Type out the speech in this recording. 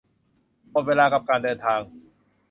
หมดเวลากับการเดินทาง